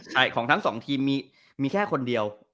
ใช่ของทั้งสองทีมมีแค่คนเดียว